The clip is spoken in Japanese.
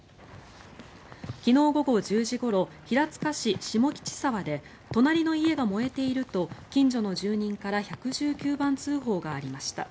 昨日午後１０時ごろ平塚市下吉沢で隣の家が燃えていると近所の住人から１１９番通報がありました。